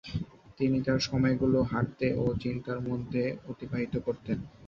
তিনি তার সময়গুলো হাঁটতে ও চিন্তার মধ্যে অতিবাহিত করতেন ।